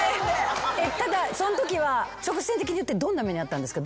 ただそんときは直線的に言ってどんな目に遭ったんですか？